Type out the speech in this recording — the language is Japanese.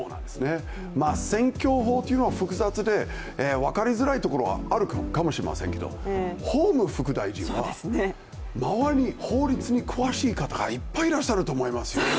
選挙法というのは複雑で分かりづらいところはあるかもしれませんけれども、法務副大臣は周りに法律に詳しい方がいっぱいいらっしゃると思いますよ。